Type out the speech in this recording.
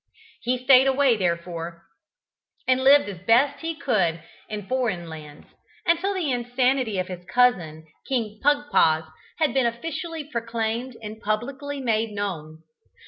He stayed away, therefore, and lived as best he could in foreign lands, until the insanity of his cousin King Pugpoz had been officially proclaimed and publicly made known.